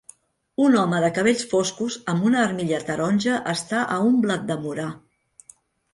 Un home de cabells foscos amb una armilla taronja està a un blatdemorar.